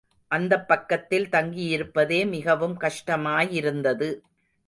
அந்தப்பக்கத்தில் தங்கியிருப்பதே மிகவும் கஷ்டமாயிருந்தது.